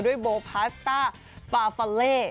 ด้วยโบปาสต้าปาฟาเล่